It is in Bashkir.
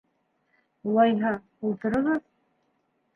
- Улайһа, ултырығыҙ.